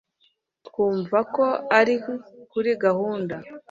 Twumva ko ari kuri gahunda